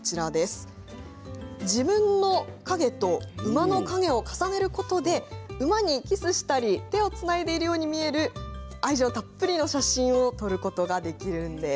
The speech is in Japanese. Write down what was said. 自分の影と馬の影を重ねることで馬にキスしたり手をつないでいるように見える愛情たっぷりの写真を撮ることができるんです。